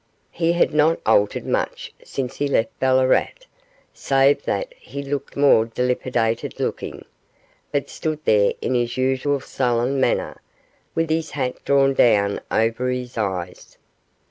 He had not altered much since he left Ballarat, save that he looked more dilapidated looking, but stood there in his usual sullen manner, with his hat drawn down over his eyes.